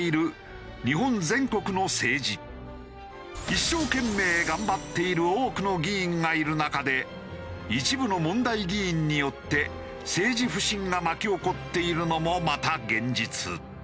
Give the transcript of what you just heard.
一生懸命頑張っている多くの議員がいる中で一部の問題議員によって政治不信が巻き起こっているのもまた現実。